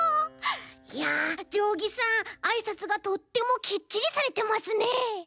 いやじょうぎさんあいさつがとってもキッチリされてますね。